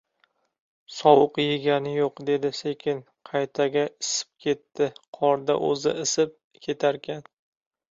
— Sovuq yegani yo‘q, — dedi sekin. — Qaytaga isib ketdi. Qorda o‘zi isib ketarkan.